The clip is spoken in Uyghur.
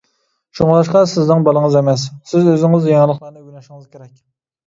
شۇڭلاشقا سىزنىڭ بالىڭىز ئەمەس، سىز ئۆزىڭىز يېڭىلىقلارنى ئۆگىنىشىڭىز كېرەك.